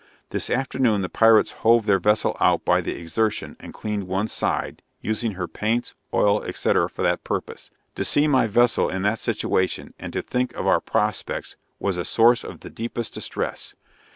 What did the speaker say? This afternoon the pirates hove their vessel out by the Exertion and cleaned one side, using her paints, oil, &c. for that purpose. To see my vessel in that situation and to think of our prospects was a source of the deepest distress.